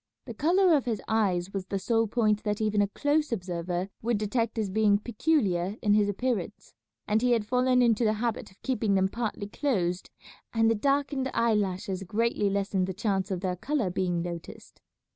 The colour of his eyes was the sole point that even a close observer would detect as being peculiar in his appearance, and he had fallen into the habit of keeping them partly closed and the darkened eye lashes greatly lessened the chance of their colour being noticed.